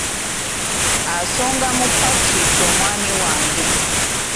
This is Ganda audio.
Asonga mu Patrick omwami wange.